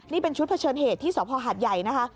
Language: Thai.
นี่เป็นชุดเผชิญเหตุที่สภหาดใหญ่นะคะ